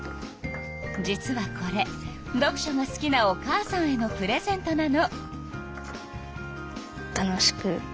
実はこれ読書が好きなお母さんへのプレゼントなの。